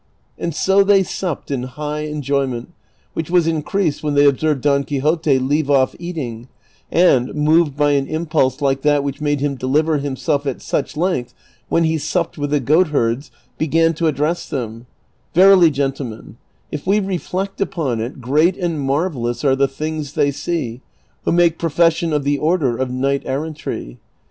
And so they supped in high enjoyment, which was increased when they ob served Don Quixote leave off eating, and, moved by an impulse like that which made him deliver himself at such length when he supped with the goatherds, began to address them :" Verily, gentlemen, if we reflect upon it, great and marvel lous are the things they see, Avho make profession of the order of knight errantry.